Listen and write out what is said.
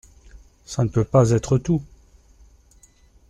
Ça ne peut pas être tout.